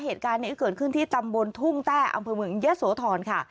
เหตุการณ์นี้เกิดขึ้นที่ตำบลทุ่งแต้อำเภอเมืองเยอะโสธรค่ะ